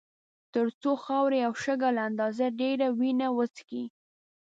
تر څو خاورې او شګه له اندازې ډېره وینه وڅښي.